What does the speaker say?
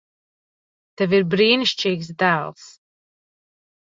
Tev ir brīnišķīgs dēls.